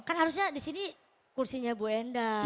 kan harusnya di sini kursinya ibu endang